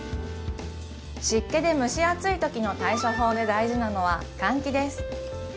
湿気で蒸し暑いときの対処法で大事なのは換気です